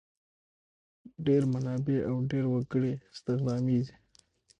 ډېر منابع او ډېر وګړي استخدامیږي.